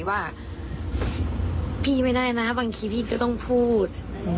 ว่าพี่ไม่ได้นะบางทีพี่ก็ต้องพูด